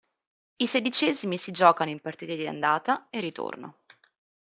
I sedicesimi si giocano in partite di andata e ritorno.